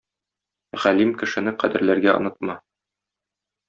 Галим кешене кадерләргә онытма!